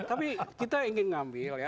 tapi kita ingin mengambil